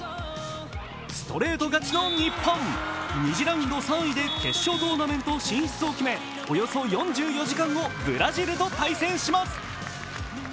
ストレート勝ちの日本２次ラウンド３位で決勝トーナメント進出を決めおよそ４４時間後、ブラジルと対戦します。